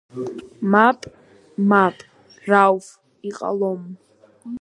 Мап, мап, Рауф, иҟалом.